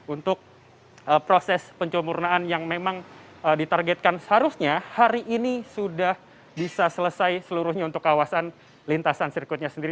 untuk proses pencompurnaan yang memang ditargetkan seharusnya hari ini sudah bisa selesai seluruhnya untuk kawasan lintasan sirkuitnya sendiri